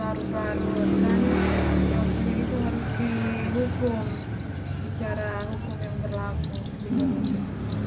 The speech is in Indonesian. dan waktu itu harus dihukum secara hukum yang berlaku